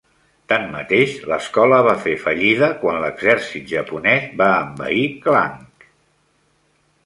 Tanmateix, l'escola va fer fallida quan l'exèrcit japonès va envair Klang.